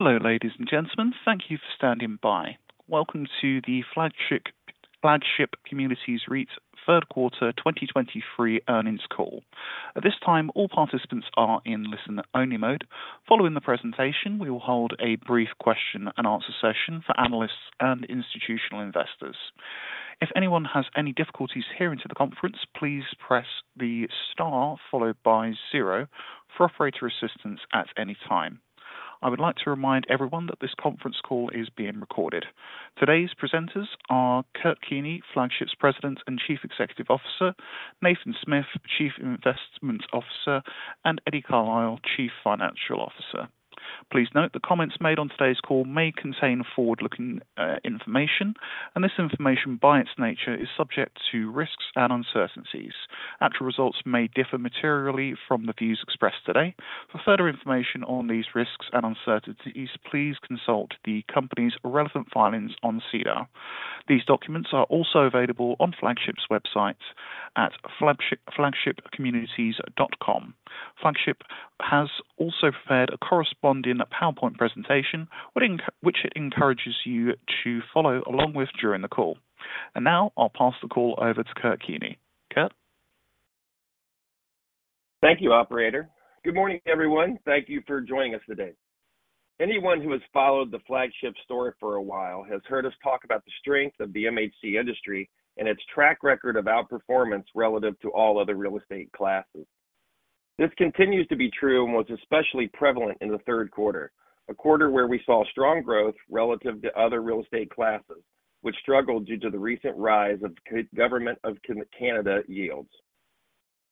Hello, ladies and gentlemen. Thank you for standing by. Welcome to the Flagship, Flagship Communities REIT's third quarter 2023 earnings call. At this time, all participants are in listen-only mode. Following the presentation, we will hold a brief question and answer session for analysts and institutional investors. If anyone has any difficulties hearing to the conference, please press the star followed by zero for operator assistance at any time. I would like to remind everyone that this conference call is being recorded. Today's presenters are Kurt Keeney, Flagship's President and Chief Executive Officer, Nathan Smith, Chief Investment Officer, and Eddie Carlisle, Chief Financial Officer. Please note, the comments made on today's call may contain forward-looking information, and this information, by its nature, is subject to risks and uncertainties. Actual results may differ materially from the views expressed today. For further information on these risks and uncertainties, please consult the company's relevant filings on SEDAR. These documents are also available on Flagship's website at Flagship, flagshipcommunities.com. Flagship has also prepared a corresponding PowerPoint presentation, which it encourages you to follow along with during the call. Now I'll pass the call over to Kurt Keeney. Kurt? Thank you, operator. Good morning, everyone. Thank you for joining us today. Anyone who has followed the Flagship story for a while has heard us talk about the strength of the MHC industry and its track record of outperformance relative to all other real estate classes. This continues to be true and was especially prevalent in the third quarter, a quarter where we saw strong growth relative to other real estate classes, which struggled due to the recent rise of the Government of Canada yields.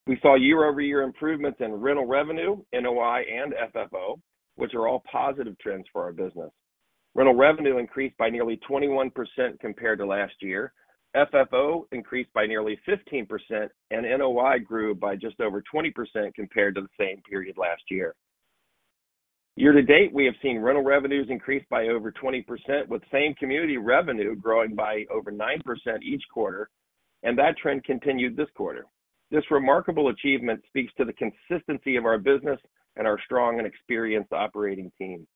We saw year-over-year improvements in rental revenue, NOI, and FFO, which are all positive trends for our business. Rental revenue increased by nearly 21% compared to last year. FFO increased by nearly 15%, and NOI grew by just over 20% compared to the same period last year. Year to date, we have seen rental revenues increase by over 20%, with same-community revenue growing by over 9% each quarter, and that trend continued this quarter. This remarkable achievement speaks to the consistency of our business and our strong and experienced operating team.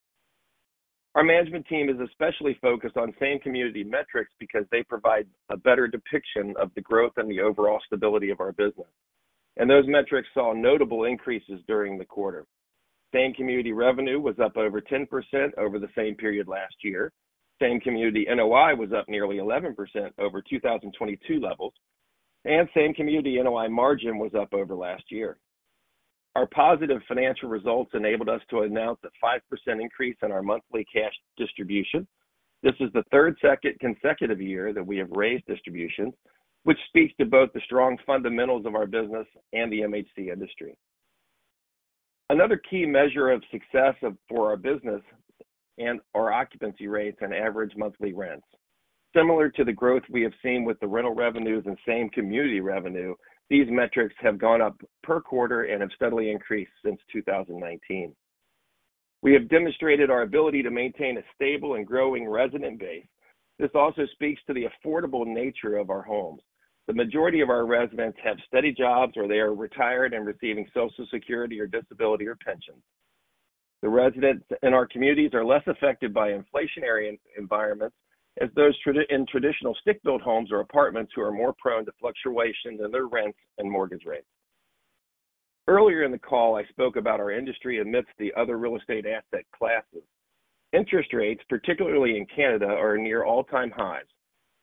Our management team is especially focused on same-community metrics because they provide a better depiction of the growth and the overall stability of our business. Those metrics saw notable increases during the quarter. Same-community revenue was up over 10% over the same period last year. Same-community NOI was up nearly 11% over 2022 levels, and same-community NOI margin was up over last year. Our positive financial results enabled us to announce a 5% increase in our monthly cash distribution. This is the third consecutive year that we have raised distributions, which speaks to both the strong fundamentals of our business and the MHC industry. Another key measure of success for our business and our occupancy rates and average monthly rents. Similar to the growth we have seen with the rental revenues and same-community revenue, these metrics have gone up per quarter and have steadily increased since 2019. We have demonstrated our ability to maintain a stable and growing resident base. This also speaks to the affordable nature of our homes. The majority of our residents have steady jobs, or they are retired and receiving Social Security or disability or pension. The residents in our communities are less affected by inflationary environments, as those in traditional stick-built homes or apartments who are more prone to fluctuations in their rents and mortgage rates. Earlier in the call, I spoke about our industry amidst the other real estate asset classes. Interest rates, particularly in Canada, are near all-time highs,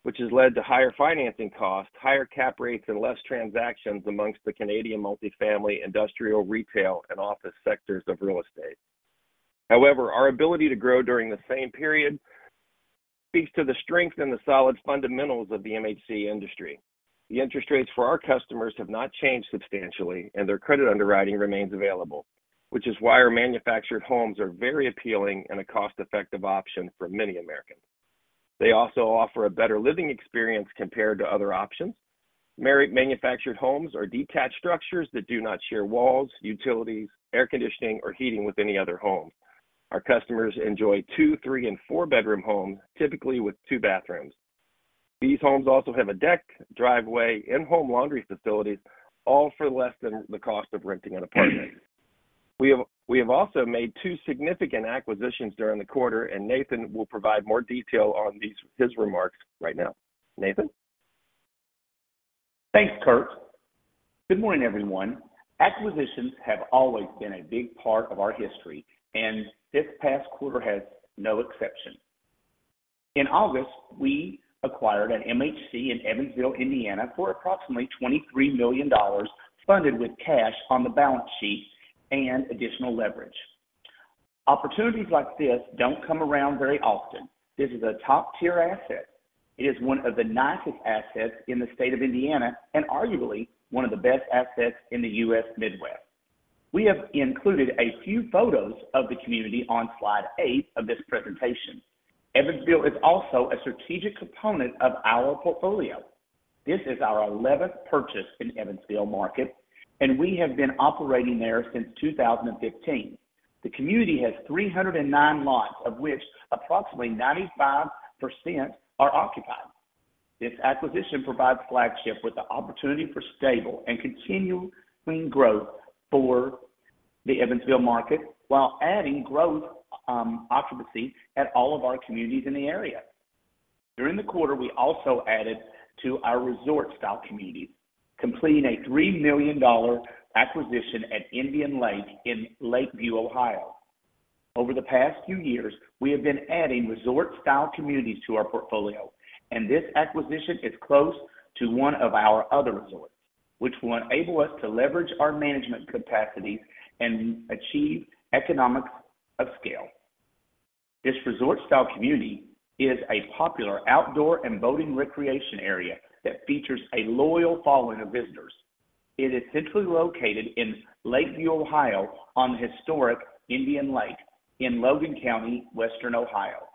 which has led to higher financing costs, higher cap rates, and less transactions amongst the Canadian multifamily, industrial, retail, and office sectors of real estate. However, our ability to grow during the same period speaks to the strength and the solid fundamentals of the MHC industry. The interest rates for our customers have not changed substantially, and their credit underwriting remains available, which is why our manufactured homes are very appealing and a cost-effective option for many Americans. They also offer a better living experience compared to other options. Manufactured homes are detached structures that do not share walls, utilities, air conditioning, or heating with any other home. Our customers enjoy two, three, and four-bedroom homes, typically with two bathrooms. These homes also have a deck, driveway, and home laundry facilities, all for less than the cost of renting an apartment. We have also made two significant acquisitions during the quarter, and Nathan will provide more detail on these, his remarks right now. Nathan? Thanks, Kurt. Good morning, everyone. Acquisitions have always been a big part of our history, and this past quarter has no exception. In August, we acquired an MHC in Evansville, Indiana, for approximately $23 million, funded with cash on the balance sheet and additional leverage. Opportunities like this don't come around very often. This is a top-tier asset. It is one of the nicest assets in the state of Indiana and arguably one of the best assets in the U.S. Midwest. We have included a few photos of the community on slide eight of this presentation. Evansville is also a strategic component of our portfolio. This is our eleventh purchase in Evansville market, and we have been operating there since 2015. The community has 309 lots, of which approximately 95% are occupied. This acquisition provides Flagship with the opportunity for stable and continuing growth for the Evansville market, while adding growth, occupancy at all of our communities in the area. During the quarter, we also added to our resort-style communities, completing a $3 million acquisition at Indian Lake in Lakeview, Ohio. Over the past few years, we have been adding resort-style communities to our portfolio, and this acquisition is close to one of our other resorts, which will enable us to leverage our management capacities and achieve economics of scale. This resort-style community is a popular outdoor and boating recreation area that features a loyal following of visitors. It is centrally located in Lakeview, Ohio, on historic Indian Lake in Logan County, Western Ohio.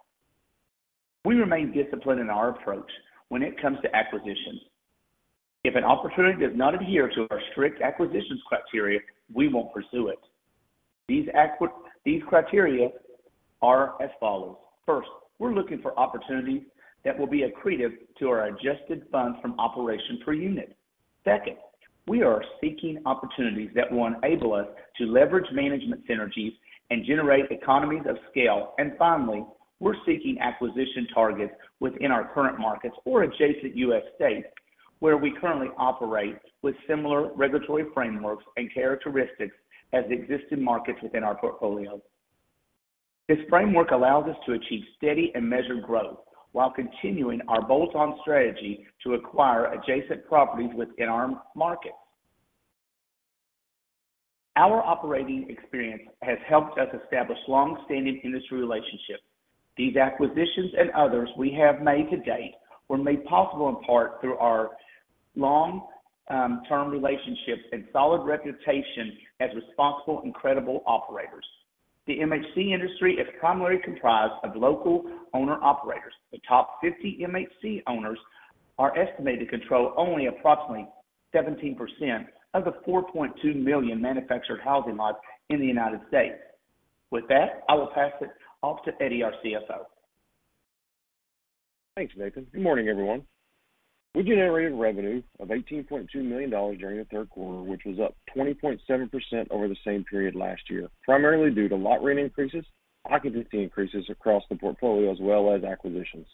We remain disciplined in our approach when it comes to acquisitions. If an opportunity does not adhere to our strict acquisitions criteria, we won't pursue it. These criteria are as follows: First, we're looking for opportunities that will be accretive to our adjusted funds from operations per unit. Second, we are seeking opportunities that will enable us to leverage management synergies and generate economies of scale. And finally, we're seeking acquisition targets within our current markets or adjacent U.S. states, where we currently operate with similar regulatory frameworks and characteristics as existing markets within our portfolio. This framework allows us to achieve steady and measured growth while continuing our bolt-on strategy to acquire adjacent properties within our markets. Our operating experience has helped us establish long-standing industry relationships. These acquisitions and others we have made to date were made possible in part through our long term relationships and solid reputation as responsible and credible operators. The MHC industry is primarily comprised of local owner-operators. The top 50 MHC owners are estimated to control only approximately 17% of the 4.2 million manufactured housing lots in the United States. With that, I will pass it off to Eddie, our CFO. Thanks, Nathan. Good morning, everyone. We generated revenue of $18.2 million during the third quarter, which was up 20.7% over the same period last year, primarily due to lot rent increases, occupancy increases across the portfolio, as well as acquisitions.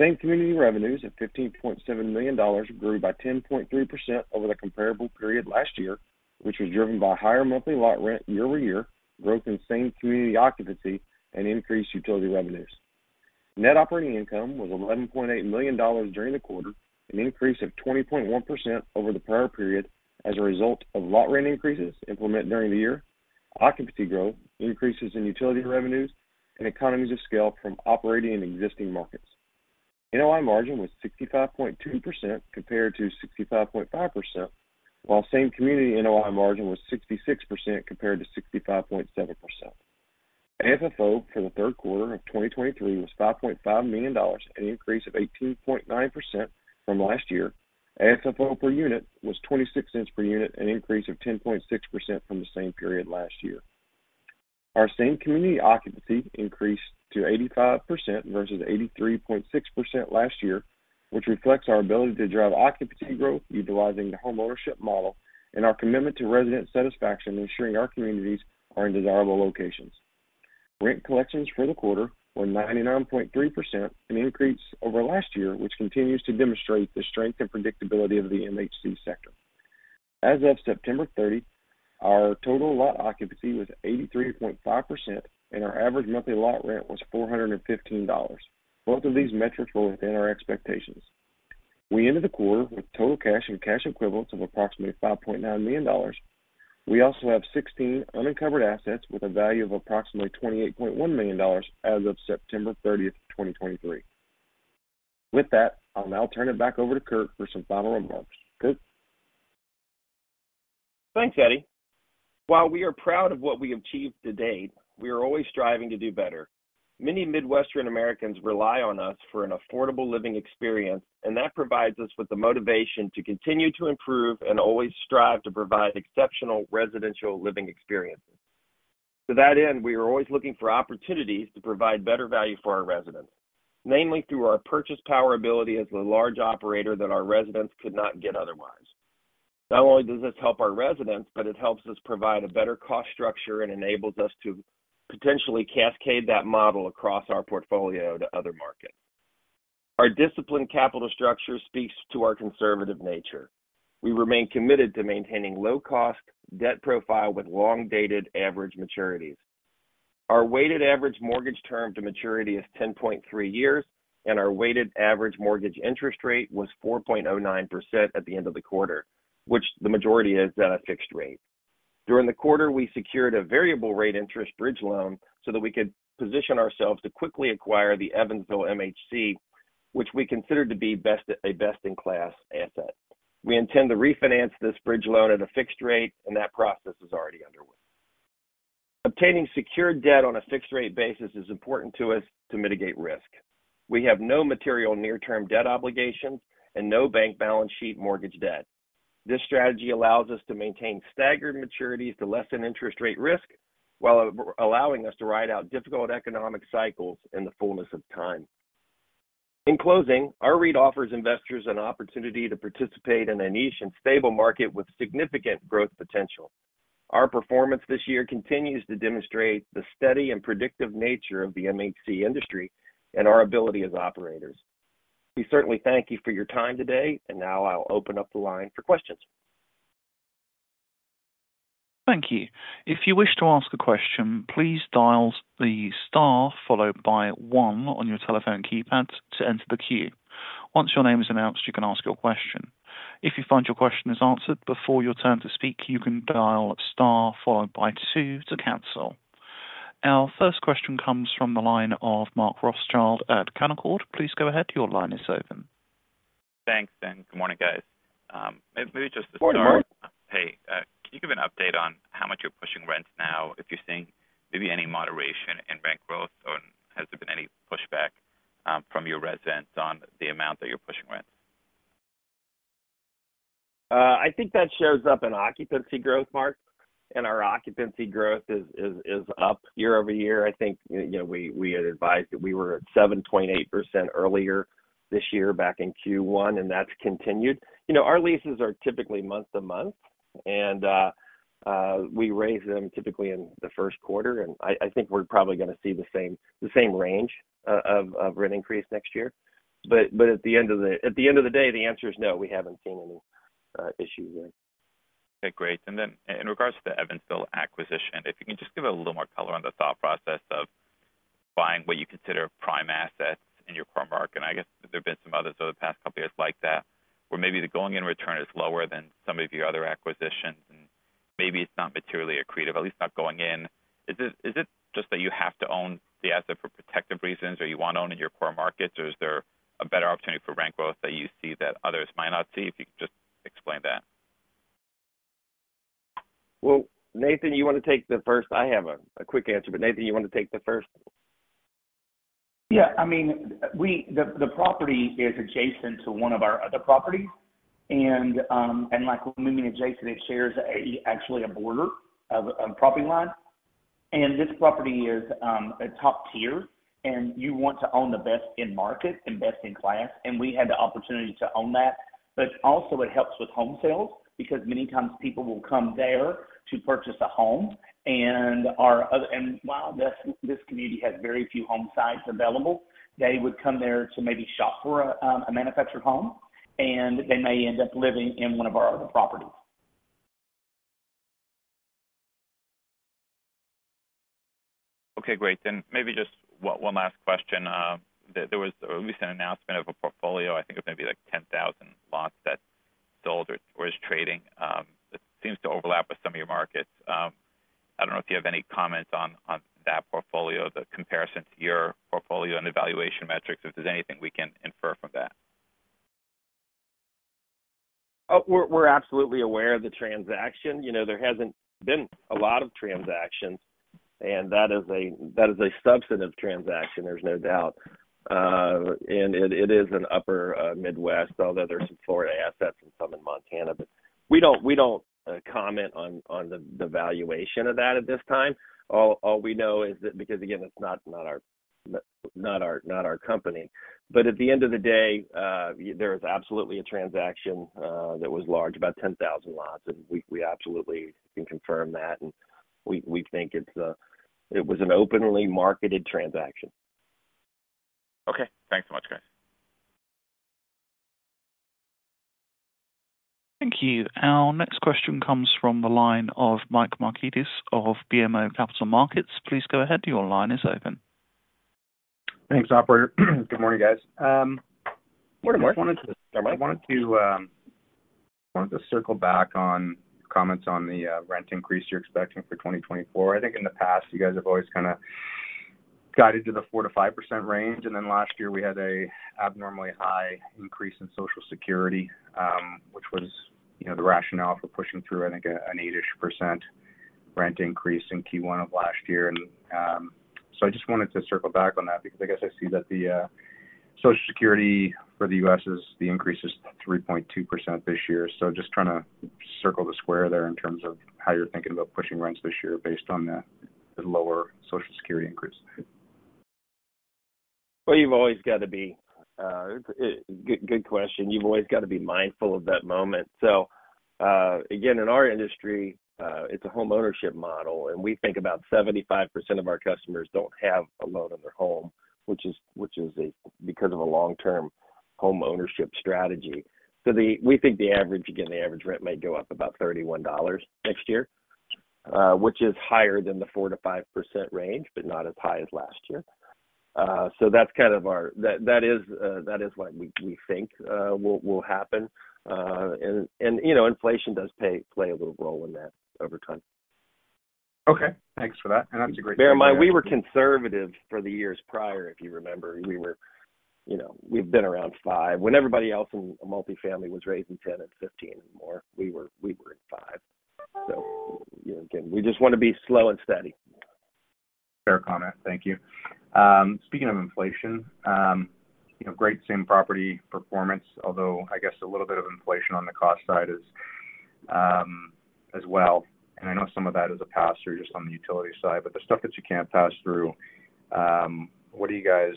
Same-community revenues of $15.7 million grew by 10.3% over the comparable period last year, which was driven by higher monthly lot rent year over year, growth in same-community occupancy, and increased utility revenues. Net operating income was $11.8 million during the quarter, an increase of 20.1% over the prior period as a result of lot rent increases implemented during the year, occupancy growth, increases in utility revenues, and economies of scale from operating in existing markets. NOI margin was 65.2% compared to 65.5%, while same-community NOI margin was 66% compared to 65.7%. FFO for the third quarter of 2023 was $5.5 million, an increase of 18.9% from last year. FFO per unit was $0.26 per unit, an increase of 10.6% from the same period last year. Our same-community occupancy increased to 85% versus 83.6% last year, which reflects our ability to drive occupancy growth utilizing the homeownership model and our commitment to resident satisfaction, ensuring our communities are in desirable locations. Rent collections for the quarter were 99.3%, an increase over last year, which continues to demonstrate the strength and predictability of the MHC sector. As of September 30, our total lot occupancy was 83.5%, and our average monthly lot rent was $415. Both of these metrics were within our expectations. We ended the quarter with total cash and cash equivalents of approximately $5.9 million. We also have 16 unencumbered assets with a value of approximately $28.1 million as of September 30, 2023. With that, I'll now turn it back over to Kurt for some final remarks. Kurt? Thanks, Eddie. While we are proud of what we achieved to date, we are always striving to do better. Many Midwestern Americans rely on us for an affordable living experience, and that provides us with the motivation to continue to improve and always strive to provide exceptional residential living experiences. To that end, we are always looking for opportunities to provide better value for our residents, mainly through our purchase power ability as a large operator that our residents could not get otherwise. Not only does this help our residents, but it helps us provide a better cost structure and enables us to potentially cascade that model across our portfolio to other markets. Our disciplined capital structure speaks to our conservative nature. We remain committed to maintaining low-cost debt profile with long-dated average maturities. Our weighted average mortgage term to maturity is 10.3 years, and our weighted average mortgage interest rate was 4.09% at the end of the quarter, which the majority is at a fixed rate. During the quarter, we secured a variable rate interest bridge loan so that we could position ourselves to quickly acquire the Evansville MHC, which we consider to be best, a best-in-class asset. We intend to refinance this bridge loan at a fixed rate, and that process is already underway. Obtaining secured debt on a fixed-rate basis is important to us to mitigate risk. We have no material near-term debt obligations and no bank balance sheet mortgage debt. This strategy allows us to maintain staggered maturities to lessen interest rate risk, while allowing us to ride out difficult economic cycles in the fullness of time. In closing, our REIT offers investors an opportunity to participate in a niche and stable market with significant growth potential. Our performance this year continues to demonstrate the steady and predictive nature of the MHC industry and our ability as operators. We certainly thank you for your time today, and now I'll open up the line for questions. Thank you. If you wish to ask a question, please dial the star followed by one on your telephone keypad to enter the queue. Once your name is announced, you can ask your question. If you find your question is answered before your turn to speak, you can dial star followed by two to cancel. Our first question comes from the line of Mark Rothschild at Canaccord. Please go ahead. Your line is open. Thanks, and good morning, guys. Maybe just to start- Good morning. Hey, can you give an update on how much you're pushing rents now? If you're seeing maybe any moderation in rent growth, or has there been any pushback from your residents on the amount that you're pushing rent? I think that shows up in occupancy growth, Mark, and our occupancy growth is up year-over-year. I think, you know, we had advised that we were at 7.8% earlier this year back in Q1, and that's continued. You know, our leases are typically month-to-month, and we raise them typically in the first quarter, and I think we're probably gonna see the same range of rent increase next year. But at the end of the day, the answer is no, we haven't seen any issues with it. Okay, great. And then in regards to the Evansville acquisition, if you can just give a little more color on the thought process of buying what you consider prime assets in your core market. I guess there have been some others over the past couple of years like that, where maybe the going-in return is lower than some of your other acquisitions, and maybe it's not materially accretive, at least not going in. Is it, is it just that you have to own the asset for protective reasons, or you want to own in your core markets, or is there a better opportunity for rent growth that you see that others might not see? If you could just explain that. Well, Nathan, you want to take the first? I have a quick answer, but, Nathan, you want to take the first? Yeah. I mean, we—the property is adjacent to one of our other properties, and like when we mean adjacent, it shares actually a border of property line. And this property is a top tier, and you want to own the best in market and best in class, and we had the opportunity to own that. But also it helps with home sales, because many times people will come there to purchase a home, and our other—and while this community has very few home sites available, they would come there to maybe shop for a manufactured home, and they may end up living in one of our other properties. Okay, great. Then maybe just one last question. There was at least an announcement of a portfolio. I think it was maybe like 10,000 lots that sold or is trading. It seems to overlap with some of your markets. I don't know if you have any comments on that portfolio, the comparison to your portfolio and evaluation metrics, if there's anything we can infer from that. We're absolutely aware of the transaction. You know, there hasn't been a lot of transactions, and that is a substantive transaction, there's no doubt. And it is an upper Midwest, although there's some Florida assets and some in Montana. But we don't comment on the valuation of that at this time. All we know is that because, again, it's not our company. But at the end of the day, there is absolutely a transaction that was large, about 10,000 lots, and we absolutely can confirm that, and we think it's an openly marketed transaction. Okay. Thanks so much, guys. Thank you. Our next question comes from the line of Mike Markidis of BMO Capital Markets. Please go ahead. Your line is open. Thanks, Operator. Good morning, guys. I wanted to- Good morning. I wanted to circle back on comments on the rent increase you're expecting for 2024. I think in the past, you guys have always kinda guided to the 4%-5% range, and then last year we had an abnormally high increase in Social Security, which was, you know, the rationale for pushing through, I think, an 8%-ish rent increase in Q1 of last year. And so I just wanted to circle back on that because I guess I see that the Social Security for the U.S. is the increase is 3.2% this year. So just trying to circle the square there in terms of how you're thinking about pushing rents this year based on the lower Social Security increase. Well, you've always got to be. Good, good question. You've always got to be mindful of that moment. So, again, in our industry, it's a homeownership model, and we think about 75% of our customers don't have a loan on their home, which is, which is a because of a long-term homeownership strategy. So, we think the average, again, the average rent may go up about $31 next year, which is higher than the 4%-5% range, but not as high as last year. So that's kind of our that, that is that is what we we think will will happen. And, you know, inflation does play a little role in that over time. Okay, thanks for that, and that's a great- Bear in mind, we were conservative for the years prior, if you remember. We were, you know, we've been around 5%. When everybody else in multifamily was raising 10% and 15% more, we were, we were at 5%. So, you know, again, we just want to be slow and steady. Fair comment. Thank you. Speaking of inflation, you know, great same property performance, although I guess a little bit of inflation on the cost side is, as well. And I know some of that is a pass-through just on the utility side, but the stuff that you can't pass through, what are you guys,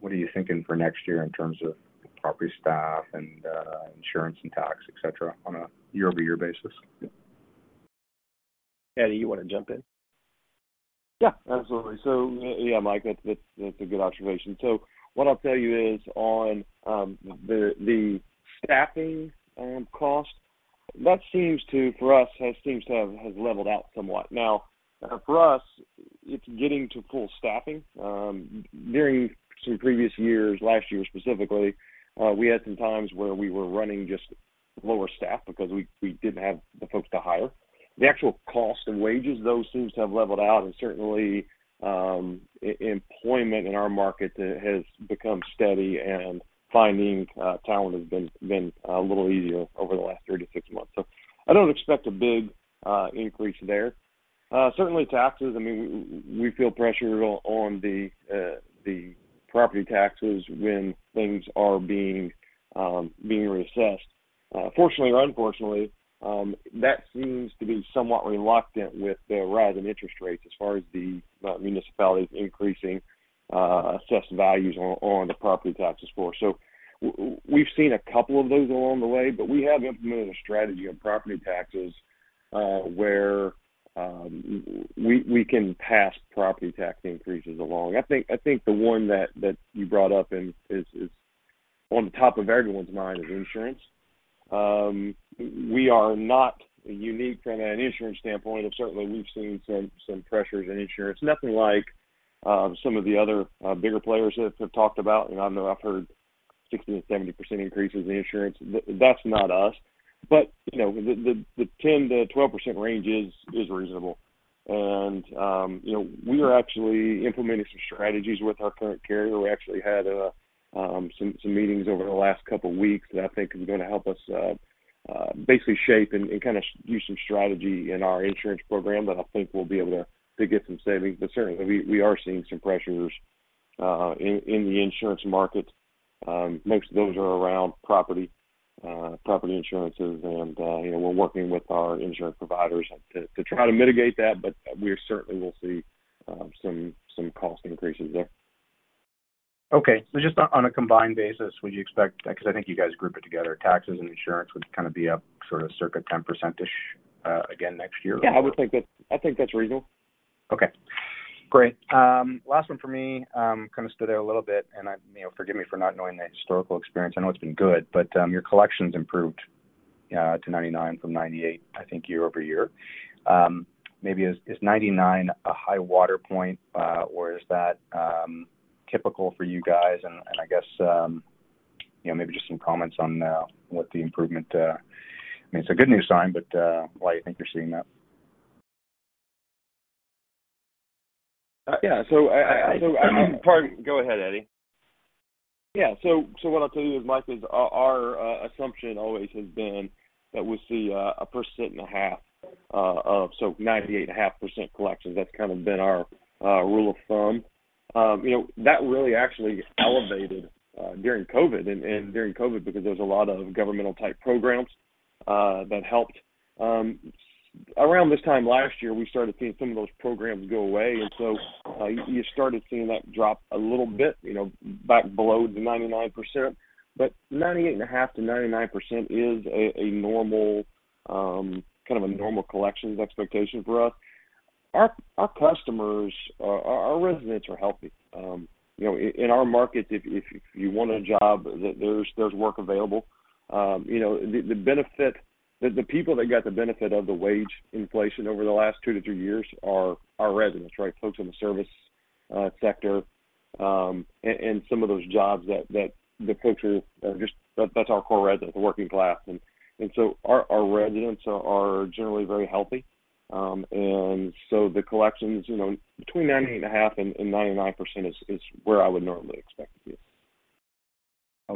what are you thinking for next year in terms of property staff and, insurance and tax, et cetera, on a year-over-year basis? Eddie, you wanna jump in? Yeah, absolutely. So, yeah, Mike, that's a good observation. So what I'll tell you is on the staffing cost, that seems to have leveled out somewhat. Now, for us, it's getting to full staffing. During some previous years, last year specifically, we had some times where we were running just lower staff because we didn't have the folks to hire. The actual cost and wages, those seems to have leveled out, and certainly, employment in our market has become steady, and finding talent has been a little easier over the last thirty to six months. So I don't expect a big increase there. Certainly taxes, I mean, we feel pressure on the property taxes when things are being reassessed. Fortunately or unfortunately, that seems to be somewhat reluctant with the rise in interest rates as far as the, municipalities increasing, assessed values on, on the property taxes score. So we've seen a couple of those along the way, but we have implemented a strategy on property taxes, where, we can pass property tax increases along. I think the one that you brought up and is on the top of everyone's mind is insurance. We are not unique from an insurance standpoint, but certainly we've seen some pressures in insurance. Nothing like some of the other bigger players have talked about, and I know I've heard 60%-70% increases in insurance. That's not us. But, you know, the 10%-12% range is reasonable. You know, we are actually implementing some strategies with our current carrier. We actually had some meetings over the last couple of weeks that I think are gonna help us basically shape and kind of use some strategy in our insurance program, that I think we'll be able to get some savings. But certainly, we are seeing some pressures in the insurance market. Most of those are around property insurances, and you know, we're working with our insurance providers to try to mitigate that, but we certainly will see some cost increases there. Okay. So just on a combined basis, would you expect. Because I think you guys group it together, taxes and insurance would kind of be up sort of circa 10%-ish, again, next year? Yeah, I would think that's, I think that's reasonable. Okay, great. Last one for me. Kind of stood out a little bit, and, you know, forgive me for not knowing the historical experience. I know it's been good, but your collection's improved to 99% from 98%, I think year-over-year. Maybe is 99% a high water point, or is that typical for you guys? And I guess, you know, maybe just some comments on what the improvement, I mean, it's a good news sign, but why you think you're seeing that? Yeah. So I, Pardon. Go ahead, Eddie. Yeah. So what I'll tell you is, Mike, our assumption always has been that we see 1.5% of, so 98.5% collection. That's kind of been our rule of thumb. You know, that really actually elevated during COVID, and during COVID, because there was a lot of governmental type programs that helped. Around this time last year, we started seeing some of those programs go away, and so you started seeing that drop a little bit, you know, back below the 99%. But 98.5%-99% is a normal kind of a normal collections expectation for us. Our customers, our residents are healthy. You know, in our market, if you want a job, there's work available. You know, the benefit, the people that got the benefit of the wage inflation over the last two to three years are our residents, right? Folks in the service sector and some of those jobs that the folks are just, that's our core resident, the working class. And so our residents are generally very healthy. And so the collections, you know, between 98.5% and 99% is where I would normally expect it to be.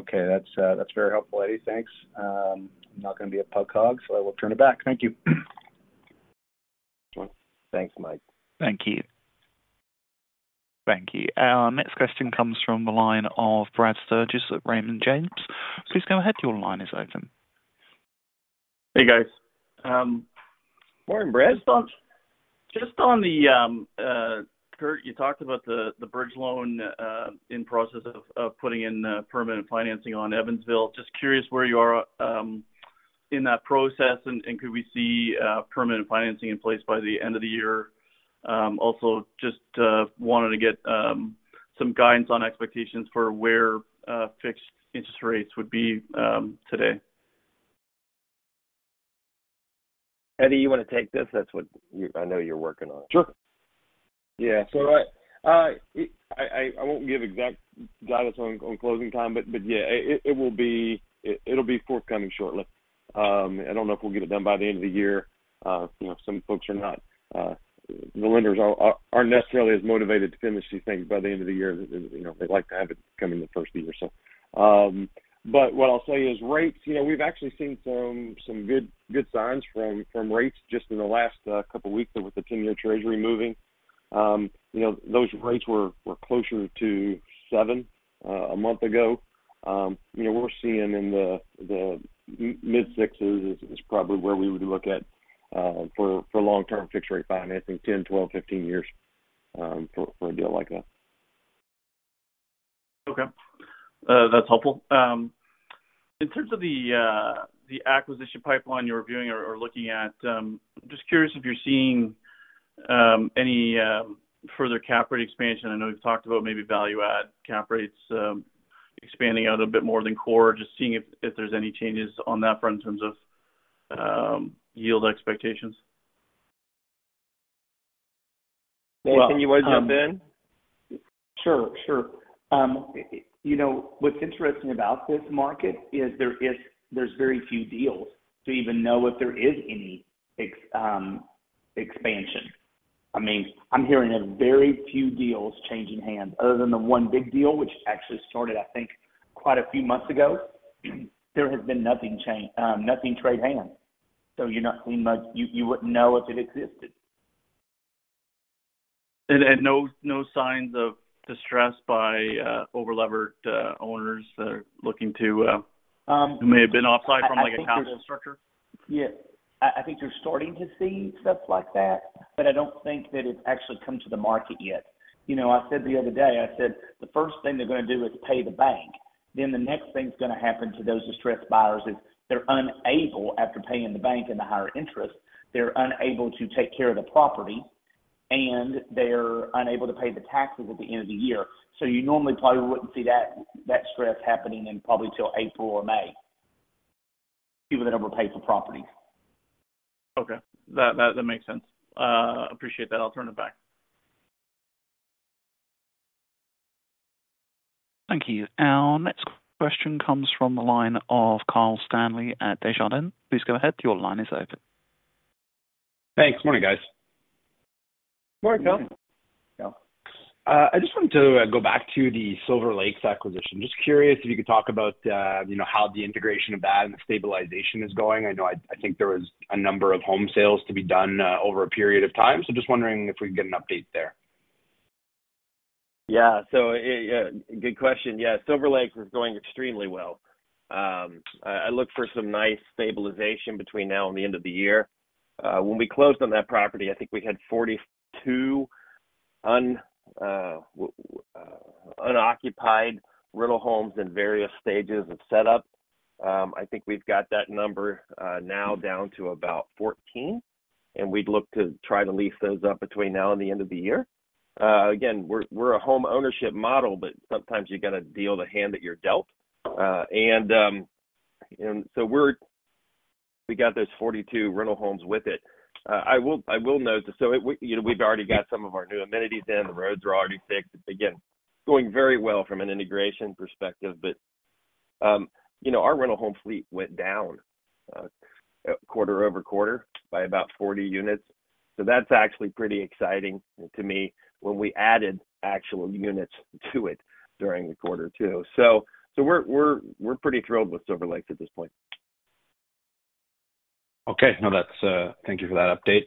Okay. That's very helpful, Eddie. Thanks. I'm not going to be a puck hog, so I will turn it back. Thank you. Thanks, Mike. Thank you. Thank you. Our next question comes from the line of Brad Sturges at Raymond James. Please go ahead. Your line is open. Hey, guys. Morning, Brad. Just on the, Kurt, you talked about the bridge loan in process of putting in permanent financing on Evansville. Just curious where you are in that process, and could we see permanent financing in place by the end of the year? Also, just wanted to get some guidance on expectations for where fixed interest rates would be today. Eddie, you want to take this? That's what you, I know you're working on. Sure. Yeah. So I won't give exact guidance on closing time, but yeah, it will be—it'll be forthcoming shortly. I don't know if we'll get it done by the end of the year. You know, some folks are not, the lenders are, aren't necessarily as motivated to finish these things by the end of the year. You know, they like to have it come in the first year or so. But what I'll say is rates, you know, we've actually seen some good signs from rates just in the last couple weeks with the 10-year treasury moving. You know, those rates were closer to seven a month ago. You know, we're seeing in the mid-60s is probably where we would look at for long-term fixed rate financing, 10, 12, 15 years, for a deal like that. Okay, that's helpful. In terms of the acquisition pipeline you're reviewing or looking at, just curious if you're seeing any further cap rate expansion. I know we've talked about maybe value add cap rates expanding out a bit more than core. Just seeing if there's any changes on that front in terms of yield expectations. Nathan, you want to jump in? Sure, sure. You know, what's interesting about this market is there's very few deals to even know if there is any expansion. I mean, I'm hearing very few deals changing hands other than the one big deal, which actually started, I think, quite a few months ago. There has been nothing trade hands, so you're not seeing much, you wouldn't know if it existed. No signs of distress by overleveraged owners that are looking to? Um. Who may have been off-site from, like, a capital structure? Yeah. I think you're starting to see stuff like that, but I don't think that it's actually come to the market yet. You know, I said the other day, I said, the first thing they're gonna do is pay the bank. Then the next thing that's gonna happen to those distressed buyers is they're unable, after paying the bank and the higher interest, they're unable to take care of the property, and they're unable to pay the taxes at the end of the year. So you normally probably wouldn't see that, that stress happening in probably till April or May, given the number of paid for properties. Okay. That, that, makes sense. Appreciate that. I'll turn it back. Thank you. Our next question comes from the line of Kyle Stanley at Desjardins. Please go ahead. Your line is open. Thanks. Morning, guys. Morning, Kyle. Yeah. I just wanted to go back to the Silver Lake acquisition. Just curious if you could talk about, you know, how the integration of that and the stabilization is going. I know, I think there was a number of home sales to be done, over a period of time, so just wondering if we can get an update there. Yeah. So yeah, good question. Yeah, Silver Lake is going extremely well. I look for some nice stabilization between now and the end of the year. When we closed on that property, I think we had 42 unoccupied rental homes in various stages of setup. I think we've got that number now down to about 14, and we'd look to try to lease those up between now and the end of the year. Again, we're a home ownership model, but sometimes you got to deal the hand that you're dealt. And so we're, we got those 42 rental homes with it. I will note that so we, you know, we've already got some of our new amenities in. The roads are already fixed. Again, it's going very well from an integration perspective, but you know, our rental home fleet went down quarter-over-quarter by about 40 units. So that's actually pretty exciting to me when we added actual units to it during the quarter, too. So we're pretty thrilled with Silver Lake at this point. Okay, no, that's. Thank you for that update.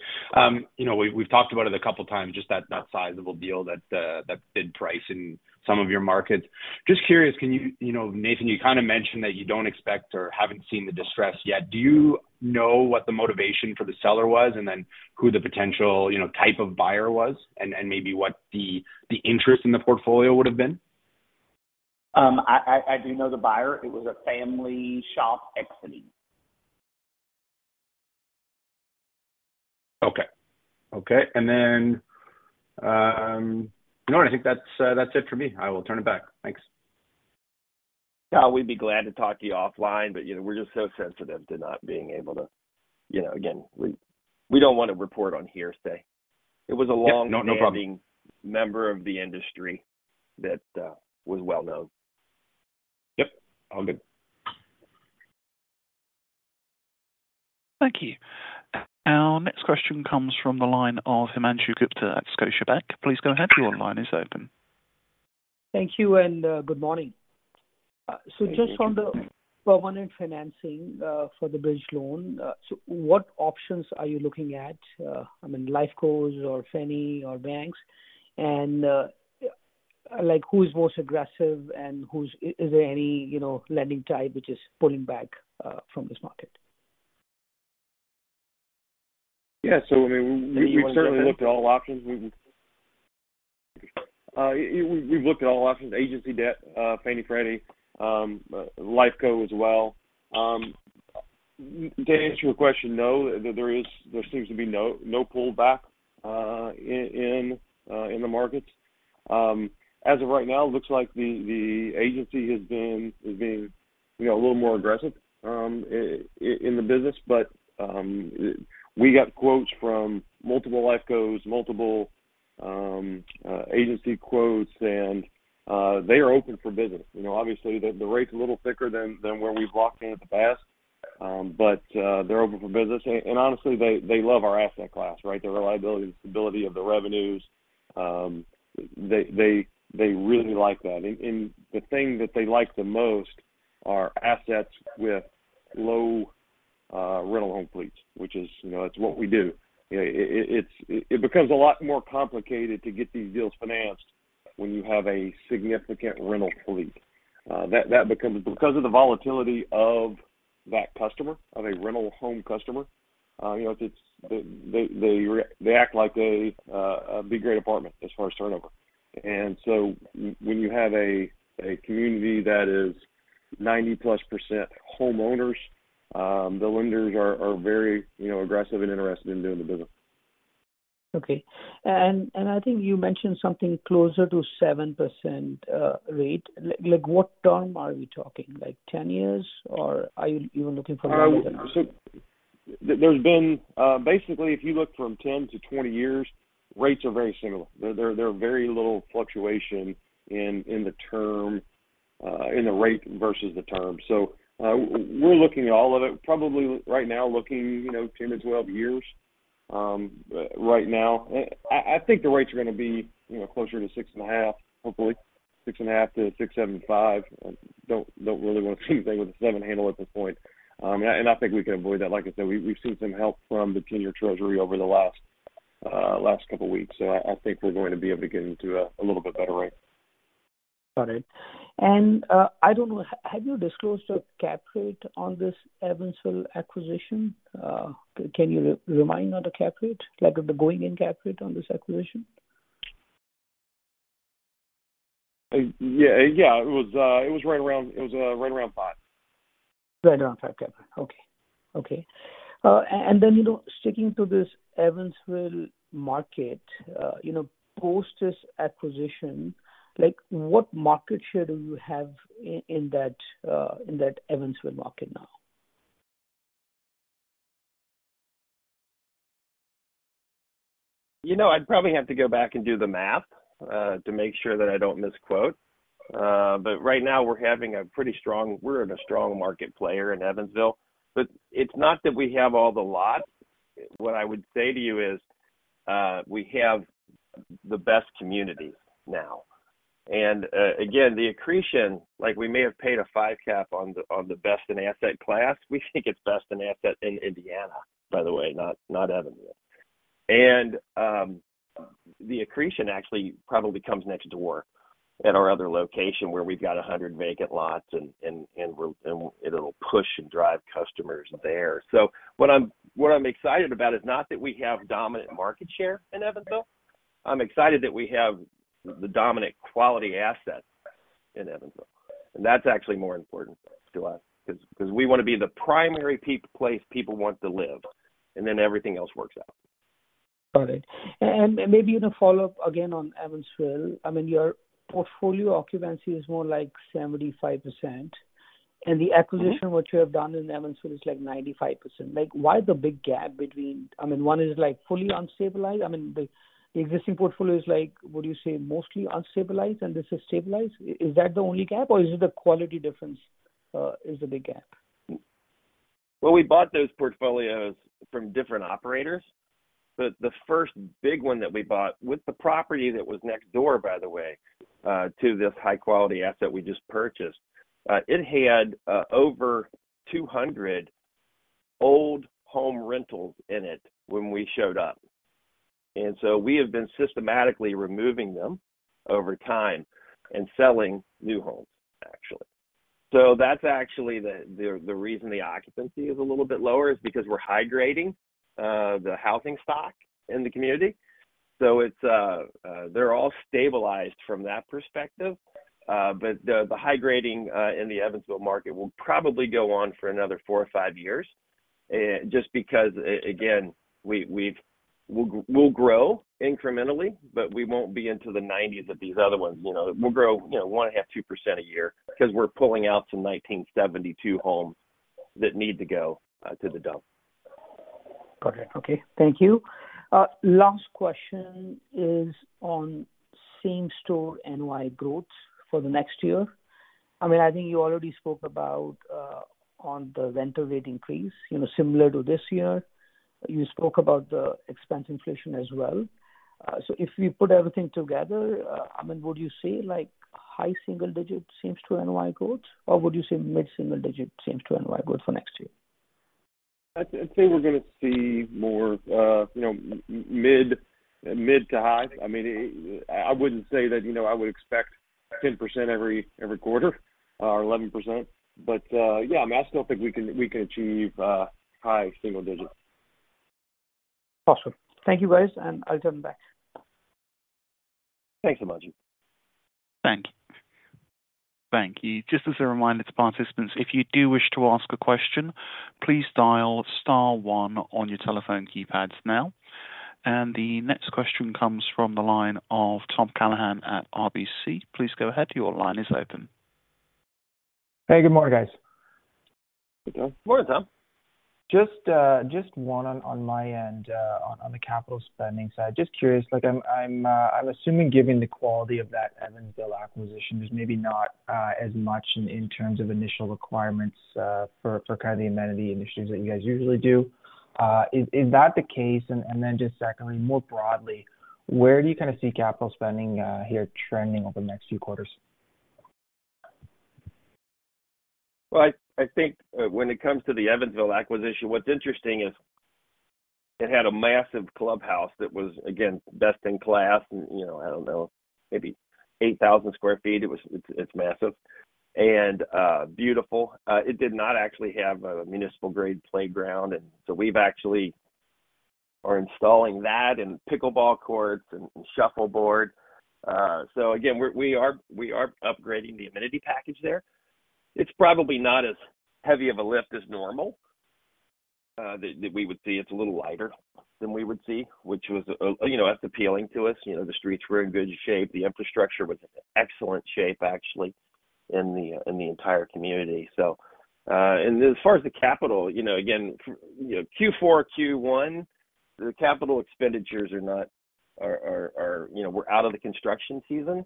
You know, we've, we've talked about it a couple of times, just that, that sizable deal, that, that bid price in some of your markets. Just curious, can you, you know, Nathan, you kind of mentioned that you don't expect or haven't seen the distress yet. Do you know what the motivation for the seller was, and then who the potential, you know, type of buyer was, and, and maybe what the, the interest in the portfolio would have been? I do know the buyer. It was a family shop exiting. Okay. Okay, and then, no, I think that's, that's it for me. I will turn it back. Thanks. Yeah, we'd be glad to talk to you offline, but, you know, we're just so sensitive to not being able to, you know, again, we don't want to report on hearsay. Yep. No, no problem. It was a long-standing member of the industry that was well known. Yep, all good. Thank you. Our next question comes from the line of Himanshu Gupta at Scotiabank. Please go ahead. Your line is open. Thank you, and good morning. Good morning. So just on the permanent financing for the bridge loan, what options are you looking at? I mean, Life Cos or Fannie or banks, and like, who is most aggressive and who's... is there any, you know, lending type which is pulling back from this market? Yeah, so I mean, we've certainly looked at all options. We've looked at all options, agency debt, Fannie, Freddie, Life Co as well. To answer your question, no, there seems to be no pullback in the markets. As of right now, it looks like the agency has been, is being, you know, a little more aggressive in the business, but we got quotes from multiple Life Cos, multiple agency quotes, and they are open for business. You know, obviously, the rate's a little thicker than where we've locked in in the past, but they're open for business. And honestly, they really like our asset class, right? The reliability and stability of the revenues, they really like that. The thing that they like the most are assets with low rental home fleets, which is, you know, it's what we do. It becomes a lot more complicated to get these deals financed when you have a significant rental fleet. That because of the volatility of that customer, of a rental home customer, you know, they act like a big, great apartment as far as turnover. And so when you have a community that is 90%+ homeowners, the lenders are very, you know, aggressive and interested in doing the business. Okay. And, and I think you mentioned something closer to 7% rate. Like, like what term are we talking, like 10 years? Or are you, you looking for longer than that? So there's been, basically, if you look from 10-20 years, rates are very similar. There are very little fluctuation in the term, in the rate versus the term. So, we're looking at all of it, probably right now, looking, you know, 10-12 years, right now. I think the rates are gonna be, you know, closer to 6.5, hopefully. 6.5 to 6.75. I don't really want to see anything with a seven handle at this point. And I think we can avoid that. Like I said, we've seen some help from the 10-year treasury over the last, last couple weeks, so I think we're going to be able to get into a little bit better rate. Got it. And, I don't know, have you disclosed a cap rate on this Evansville acquisition? Can you re-remind on the cap rate, like the going-in cap rate on this acquisition? Yeah. Yeah, it was right around five. Right around five, okay. Okay. And then, you know, sticking to this Evansville market, you know, post this acquisition, like, what market share do you have in that, in that Evansville market now? You know, I'd probably have to go back and do the math, to make sure that I don't misquote. But right now we're having a pretty strong, we're in a strong market player in Evansville, but it's not that we have all the lots. What I would say to you is, we have the best communities now. And, again, the accretion, like, we may have paid a five cap on the, on the best in asset class. We think it's best in asset in Indiana, by the way, not, not Evansville. And, the accretion actually probably comes next door at our other location, where we've got 100 vacant lots and it'll push and drive customers there. So what I'm, what I'm excited about is not that we have dominant market share in Evansville. I'm excited that we have the dominant quality assets in Evansville, and that's actually more important to us, 'cause we want to be the primary place people want to live, and then everything else works out. Got it. And maybe in a follow-up, again, on Evansville, I mean, your portfolio occupancy is more like 75%, and the acquisition, what you have done in Evansville is like 95%. Like, why the big gap between, I mean, one is like, fully unstabilized. I mean, the existing portfolio is like, what do you say, mostly unstabilized, and this is stabilized. Is that the only gap, or is it the quality difference, is the big gap? Well, we bought those portfolios from different operators, but the first big one that we bought with the property that was next door, by the way, to this high-quality asset we just purchased, it had over 200 old home rentals in it when we showed up. And so we have been systematically removing them over time and selling new homes, actually. So that's actually the reason the occupancy is a little bit lower, is because we're high grading the housing stock in the community. So it's they're all stabilized from that perspective. But the high grading in the Evansville market will probably go on for another four or five years, eh, just because again, we will grow incrementally, but we won't be into the 1990s of these other ones, you know? We'll grow, you know, 1.5%-2% a year because we're pulling out some 1972 homes that need to go to the dump. Got it. Okay, thank you. Last question is on same-store NOI growth for the next year. I mean, I think you already spoke about on the rental rate increase, you know, similar to this year. You spoke about the expense inflation as well. So if we put everything together, I mean, would you say like high single digits seems to NOI growth, or would you say mid-single digits seems to NOI growth for next year? I'd say we're gonna see more, you know, mid to high. I mean, I wouldn't say that, you know, I would expect 10% every quarter, or 11%. But, yeah, I mean, I still think we can achieve high single digit. Awesome. Thank you, guys, and I'll turn back. Thanks, Himanshu. Thank you. Thank you. Just as a reminder to participants, if you do wish to ask a question, please dial star one on your telephone keypads now. The next question comes from the line of Tom Callaghan at RBC. Please go ahead. Your line is open. Hey, good morning, guys. Good morning, Tom. Just one on my end, on the capital spending side. Just curious, like I'm assuming, given the quality of that Evansville acquisition, there's maybe not as much in terms of initial requirements for kind of the amenity initiatives that you guys usually do. Is that the case? And then just secondly, more broadly, where do you kind of see capital spending here trending over the next few quarters? Well, I think, when it comes to the Evansville acquisition, what's interesting is it had a massive clubhouse that was, again, best in class, and, you know, I don't know, maybe 8,000 sq ft. It was. It's massive and beautiful. It did not actually have a municipal grade playground, and so we've actually are installing that and pickleball courts and shuffleboard. So again, we are upgrading the amenity package there. It's probably not as heavy of a lift as normal, that we would see. It's a little lighter than we would see, which was, you know, that's appealing to us. You know, the streets were in good shape. The infrastructure was in excellent shape, actually, in the entire community. So, as far as the capital, you know, again, you know, Q4, Q1, the capital expenditures are not, you know, we're out of the construction season.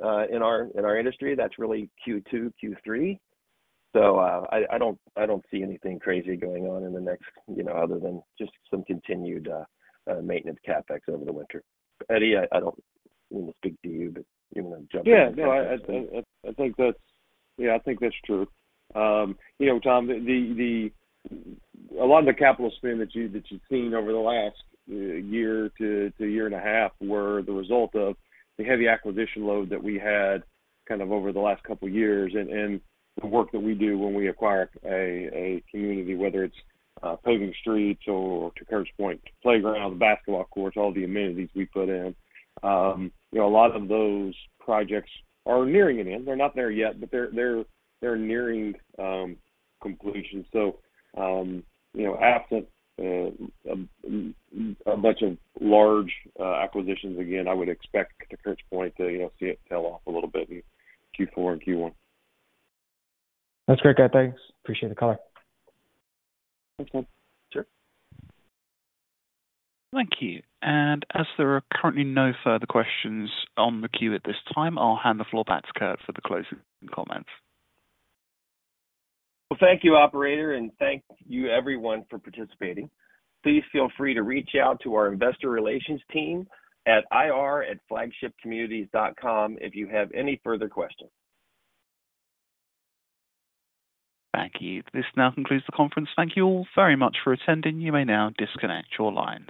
In our industry, that's really Q2, Q3. So, I don't see anything crazy going on in the next, you know, other than just some continued maintenance CapEx over the winter. Eddie, I don't want to speak to you, but you want to jump in? Yeah, no, I think that's, yeah, I think that's true. You know, Tom, a lot of the capital spend that you've seen over the last year to year and a half were the result of the heavy acquisition load that we had kind of over the last couple of years, and the work that we do when we acquire a community, whether it's paving streets or to CapEx, playgrounds, basketball courts, all the amenities we put in. You know, a lot of those projects are nearing an end. They're not there yet, but they're nearing conclusion. So, you know, absent a bunch of large acquisitions, again, I would expect the CapEx to see it tail off a little bit in Q4 and Q1. That's great, guys. Thanks. Appreciate the color. Thanks, Tom. Sure. Thank you. As there are currently no further questions on the queue at this time, I'll hand the floor back to Kurt for the closing comments. Well, thank you, operator, and thank you everyone for participating. Please feel free to reach out to our investor relations team at ir@flagshipcommunities.com if you have any further questions. Thank you. This now concludes the conference. Thank you all very much for attending. You may now disconnect your line.